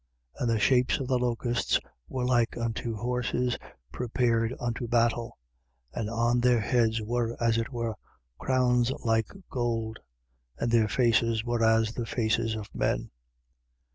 9:7. And the shapes of the locusts were like unto horses prepared unto battle. And on their heads were, as it were, crowns like gold: and their faces were as the faces of men.